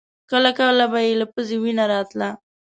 کله کله به يې له پزې وينه راتله.